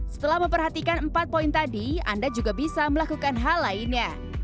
setelah memperhatikan empat poin tadi anda juga bisa melakukan hal lainnya